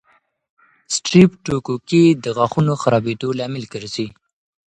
سټریپټوکوکي د غاښونو خرابېدو لامل ګرځي.